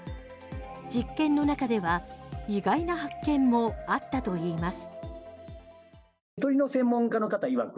実験の中では意外な発見もあったといいます。